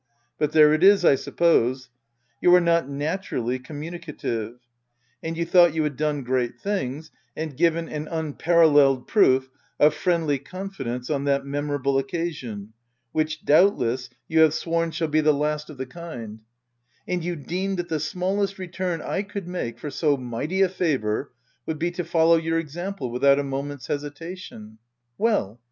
— But there it is, I suppose ; you are not naturally communicative, and you thought you had done great things, and given an unparalleled proof of friendly confidence on that memorable occasion — which, doubtless, you have sworn shall he the last of OF WILDFELL HALL* 3 the kind, — and you deemed that the smallest return I could make for so mighty a favour, would be to follow your example without a moment's hesitation. — Well